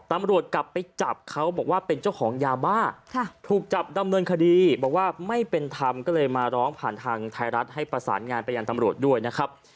ตำรวจกลับไปจับเขาบอกว่าเป็นเจ้าของยาบ้าถูกจับดำเนินคดีบอกว่าไม่เป็นธรรมก็เลยมาร้องผ่านทางไทยรัฐให้ประสานงานไปยังตำรวจด้วยนะครับ